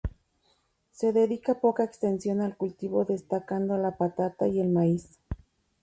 Se dedica poca extensión al cultivo destacando la patata y el maíz.